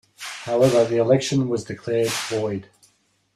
However, the election was declared void.